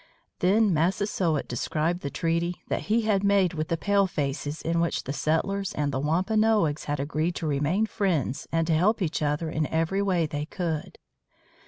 Then Massasoit described the treaty that he had made with the palefaces in which the settlers and the Wampanoags had agreed to remain friends and to help each other in every way they could.